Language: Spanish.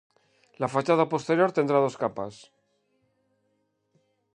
La fachada posterior tendrá dos capas.